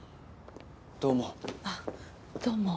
どうも。